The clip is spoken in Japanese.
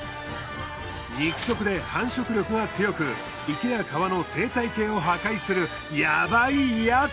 肉食で繁殖力が強く池や川の生態系を破壊するヤバいヤツ。